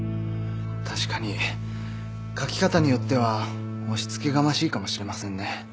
確かに書き方によっては押し付けがましいかもしれませんね。